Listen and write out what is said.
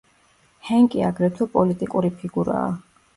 ჰენკი აგრეთვე პოლიტიკური ფიგურაა.